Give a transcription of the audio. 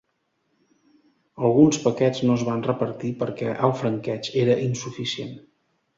Alguns paquets no es van repartir perquè el franqueig era insuficient.